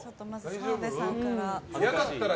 澤部さんから。